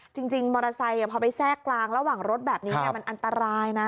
จริงมอเตอร์ไซค์พอไปแทรกกลางระหว่างรถแบบนี้มันอันตรายนะ